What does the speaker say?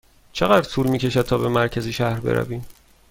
چقدر طول می کشد تا به مرکز شهر برویم؟